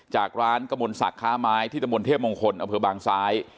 จากร้านกระมวลศักดิ์ค้าไม้ที่ตะมนเทพมงคลอำเภอบางซ้าย